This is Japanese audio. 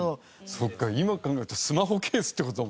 そっか今考えるとスマホケースって事だもんね。